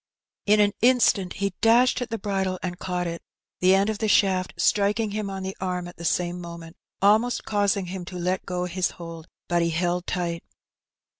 In an instant he dashed at the bridle and caught it, the end of the shaft striking him on the arm at the same moment, almost causing him to let go his hold, but he held tight.